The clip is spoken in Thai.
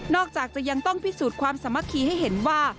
อกจากจะยังต้องพิสูจน์ความสามัคคีให้เห็นว่า